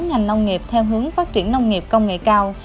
ngành nông nghiệp theo hướng phát triển nông nghiệp công nghệ cao